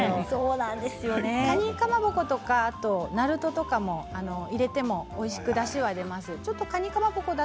かにかまぼことかあと、なるととか入れてもおいしくだしが出ます。